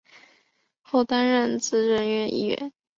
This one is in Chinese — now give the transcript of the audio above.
后担任资政院议员。